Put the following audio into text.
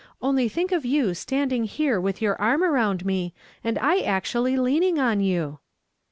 Only think of you standing here with your arn round me, and I actually leaning on you